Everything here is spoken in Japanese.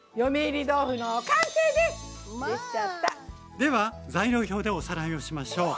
では材料表でおさらいをしましょう。